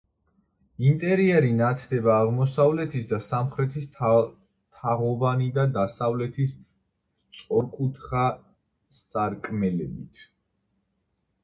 ინტერიერი ნათდება აღმოსავლეთის და სამხრეთის თაღოვანი და დასავლეთის სწორკუთხა სარკმლებით.